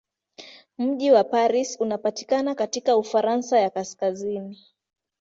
Mji wa Paris unapatikana katika Ufaransa ya kaskazini.